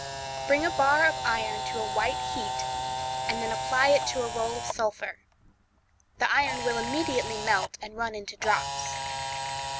—Bring a bar of iron to a white heat, and then apply it to a roll of sulphur. The iron will immediately melt, and run into drops.